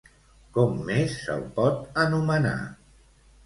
Com més se'l pot anomenar?